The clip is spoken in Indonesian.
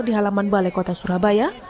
di halaman balai kota surabaya